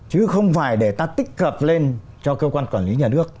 chứ không phải để ta tích cực lên cho cơ quan quản lý nhà nước